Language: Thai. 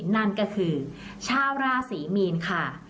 นั่นก็คือชาวราศรีมีนค่ะ